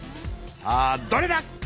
さあどれだ？